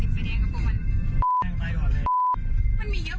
สุดยอดดีแล้วล่ะ